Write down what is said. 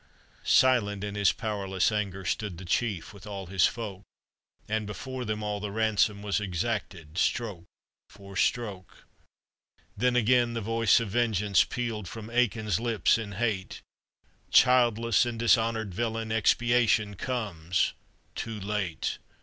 Silent in his powerless anger, Stood the chief with all his folk, And before them all the ransom Was exacted stroke for stroke. Then again the voice of vengeance Pealed from Eachann's lips in hate, "Childless and dishonored villain, Expiation comes too late!